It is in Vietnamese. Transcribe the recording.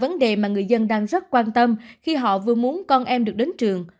đây cũng là vấn đề mà người dân đang rất quan tâm khi họ vừa muốn con em được đến trường